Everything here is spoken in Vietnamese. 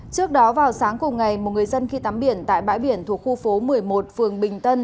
trước đó vào sáng cùng ngày một người dân khi tắm biển tại bãi biển thuộc khu phố một mươi một phường bình tân